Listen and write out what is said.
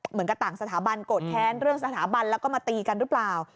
เหมือนกับต่างสถาบันกดแทนเรื่องสถาบันแล้วก็มาตีกันรึเปล่า